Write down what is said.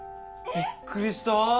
びっくりした。